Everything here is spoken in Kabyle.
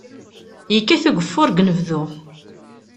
Yekkat ugeffur deg unebdu.